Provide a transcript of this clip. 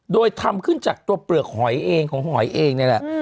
โดยทำขึ้นจากตัวเปลือกหอยเองของหอยเองนี่แหละ